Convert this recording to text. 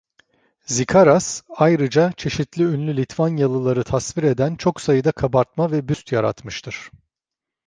Zikaras ayrıca çeşitli ünlü Litvanyalıları tasvir eden çok sayıda kabartma ve büst yaratmıştır.